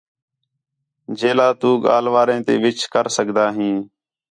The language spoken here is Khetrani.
جیلا تو ڳالھ واریں تے وِچ کر سڳدا ہیں